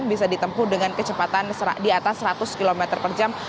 bisa ditempuh dengan kecepatan di atas seratus km per jam